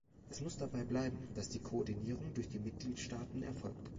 Es muss dabei bleiben, dass die Koordinierung durch die Mitgliedstaaten erfolgt.